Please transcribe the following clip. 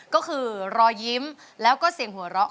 ก็คือรอยยิ้มแล้วก็เสียงหัวเราะ